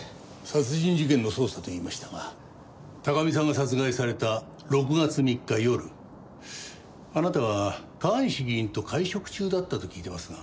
殺人事件の捜査と言いましたが高見さんが殺害された６月３日夜あなたは川西議員と会食中だったと聞いてますが。